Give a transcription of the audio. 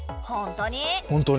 ほんとに？